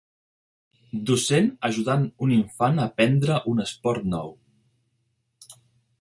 Docent ajudant un infant a aprendre un esport nou.